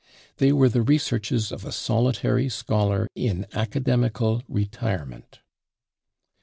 They were the researches of a solitary scholar in academical retirement."